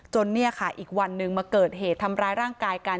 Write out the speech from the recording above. เนี่ยค่ะอีกวันหนึ่งมาเกิดเหตุทำร้ายร่างกายกัน